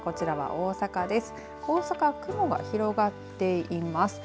大阪、雲が広がっています。